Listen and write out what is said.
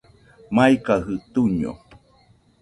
Maikajɨ tuiño